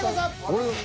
これ。